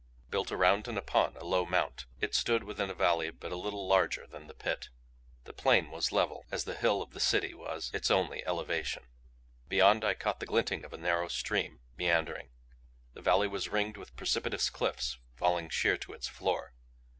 Built around and upon a low mount, it stood within a valley but little larger than the Pit. The plain was level, as though once it had been the floor of some primeval lake; the hill of the City was its only elevation. Beyond, I caught the glinting of a narrow stream, meandering. The valley was ringed with precipitous cliffs falling sheer to its floor.